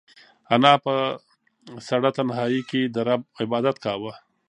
انا په سړه تنهایۍ کې د رب عبادت کاوه.